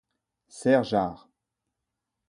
Serres Jard.